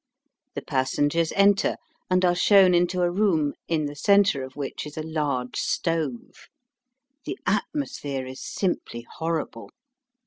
The passengers enter, and are shown into a room, in the centre of which is a large stove. The atmosphere is simply horrible.